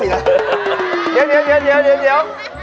เดี๋ยว